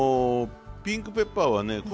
ピンクペッパーはね